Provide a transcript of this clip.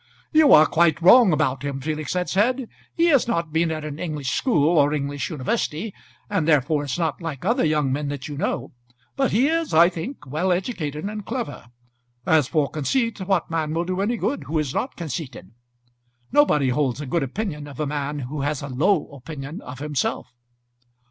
"You are quite wrong about him," Felix had said. "He has not been at an English school, or English university, and therefore is not like other young men that you know; but he is, I think, well educated and clever. As for conceit, what man will do any good who is not conceited? Nobody holds a good opinion of a man who has a low opinion of himself."